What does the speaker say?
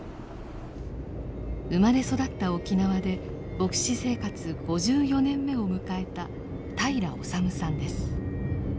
生まれ育った沖縄で牧師生活５４年目を迎えた平良修さんです。